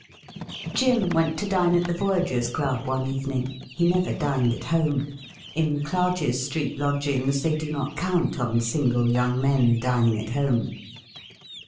Jim went to dine at the Voyagers' Club one evening. He never dined at home. In Clarges Street lodgings they do not count on single young men dining at home.